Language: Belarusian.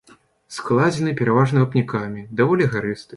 Складзены пераважна вапнякамі, даволі гарысты.